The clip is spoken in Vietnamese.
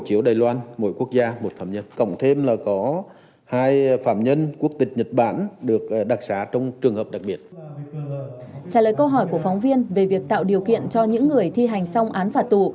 thứ trưởng lê quốc hùng cho biết năm nay các phạm nhân có quốc tịch nước ngoài được đặc sá ở bảy quốc tịch khác nhau